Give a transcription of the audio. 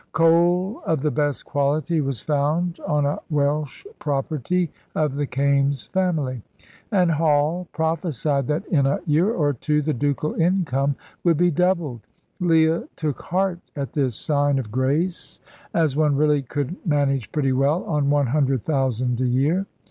Coal of the best quality was found on a Welsh property of the Kaimes family, and Hall prophesied that in a year or two the ducal income would be doubled. Leah took heart at this sign of grace, as one really could manage pretty well on one hundred thousand a year.